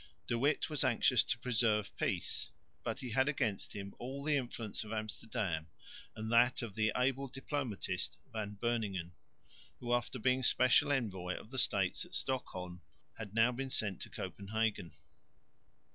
De Witt was anxious to preserve peace, but he had against him all the influence of Amsterdam, and that of the able diplomatist, Van Beuningen, who after being special envoy of the States at Stockholm had now been sent to Copenhagen.